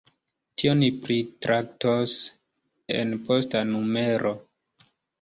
Tion ni pritraktos en posta numero.